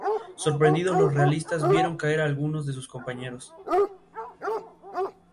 Se encuentra desde el Golfo de Guinea hasta Sudáfrica.